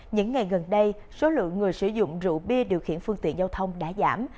những ngày gần đây số lượng người sử dụng rượu bia điều khiển phương tiện giao thông đã giảm